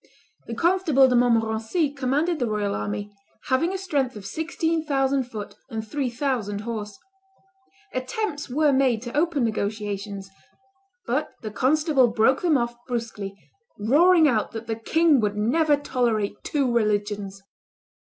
The Constable de Montmorency commanded the royal army, having a strength of sixteen thousand foot and three thousand horse. Attempts were made to open negotiations; but the constable broke them off brusquely, roaring out that the king would never tolerate two religions.